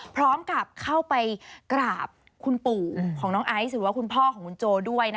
พร้อมกับเข้าไปกราบคุณปู่ของน้องไอซ์หรือว่าคุณพ่อของคุณโจด้วย